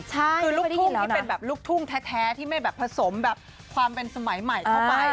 คือลูกทุ่งที่เป็นแบบลูกทุ่งแท้ที่ไม่แบบผสมแบบความเป็นสมัยใหม่เข้าไป